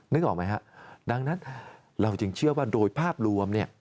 นึกออกไหมฮะดังนั้นเราจึงเชื่อว่าโดยภาพรวมเนี่ย